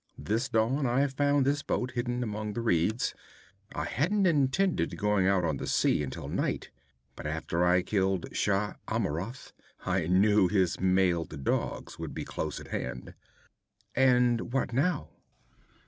This dawn I found this boat hidden among the reeds. I hadn't intended going out on the sea until night, but after I killed Shah Amurath, I knew his mailed dogs would be close at hand.' 'And what now?'